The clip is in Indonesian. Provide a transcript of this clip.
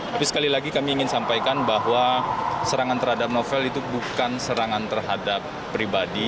tapi sekali lagi kami ingin sampaikan bahwa serangan terhadap novel itu bukan serangan terhadap pribadi